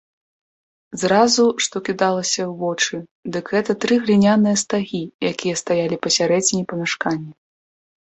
Зразу, што кідалася ў вочы, дык гэта тры гліняныя стагі, якія стаялі пасярэдзіне памяшкання.